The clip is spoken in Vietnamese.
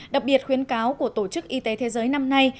đặc biệt khuyến cáo của tổ chức y tế thế giới năm nay